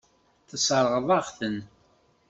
Tesseṛɣeḍ-aɣ-ten.